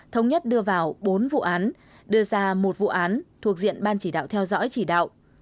thống nhất đưa vào bốn vụ án đưa ra một vụ án thuộc diện ban chỉ đạo theo dõi chỉ đạo